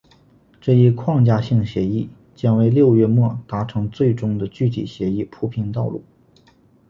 这一框架性协议将为六月末达成最终的具体协议铺平道路。